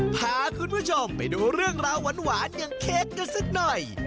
พาคุณผู้ชมไปดูเรื่องราวหวานอย่างเค้กกันสักหน่อย